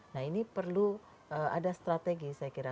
nah ini perlu ada strategi saya kira